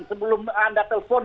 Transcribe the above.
sebelum anda telpon